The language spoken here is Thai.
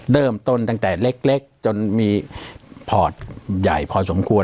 เริ่มต้นตั้งแต่เล็กจนมีพอร์ตใหญ่พอสมควร